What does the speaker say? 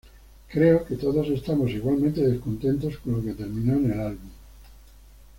Creo que todos estamos igualmente descontentos con lo que terminó en el álbum.